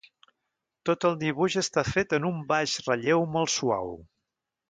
Tot el dibuix està fet en un baix relleu molt suau.